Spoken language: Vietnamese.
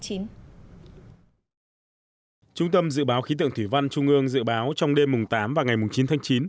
trung tâm dự báo khí tượng thủy văn trung ương dự báo trong đêm tám và ngày mùng chín tháng chín